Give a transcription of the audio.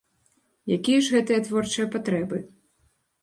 Якія ж гэтыя творчыя патрэбы?